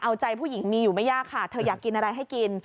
เอาใจผู้หญิงมีอยู่ไม่ยากค่ะเธออยากกินอะไรให้กิน